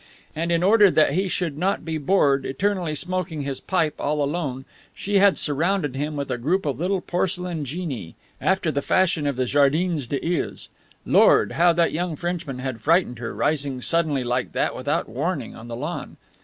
And in order that he should not be bored, eternally smoking his pipe all alone, she had surrounded him with a group of little porcelain genii, after the fashion of the Jardins des Iles. Lord! how that young Frenchman had frightened her, rising suddenly like that, without warning, on the lawn.